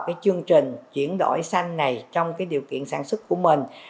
chương trình chuyển đổi sanh này trong điều kiện sản xuất của mình